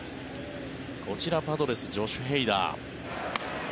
こちら、パドレスジョシュ・ヘイダー。